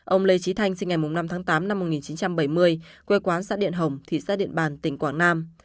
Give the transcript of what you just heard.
ông lê trí thanh sinh ngày năm tháng tám năm một nghìn chín trăm bảy mươi quê quán xã điện hồng thị xã điện bàn tỉnh quảng nam